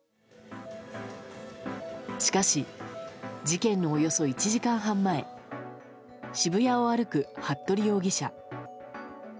しかし、事件のおよそ１時間半前渋谷を歩く服部容疑者。